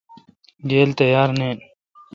گیل تیار نین۔